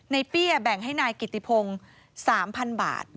เปี้ยแบ่งให้นายกิติพงศ์๓๐๐๐บาท